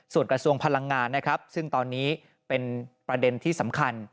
ส่วนกระทรวงพลังงานนะครับซึ่งตอนนี้เป็นประเด็นที่สำคัญ